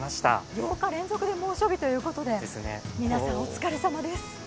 ８日連続で猛暑日ということで皆さん、お疲れ様です。